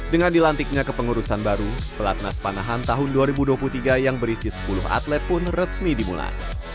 dengan dilantiknya kepengurusan baru pelatnas panahan tahun dua ribu dua puluh tiga yang berisi sepuluh atlet pun resmi dimulai